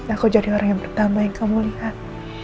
aku jadi orang yang pertama yang kamu lihat